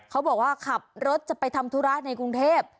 เขาบอกว่าขับรถจะไปทำธุระในกรุงเทพ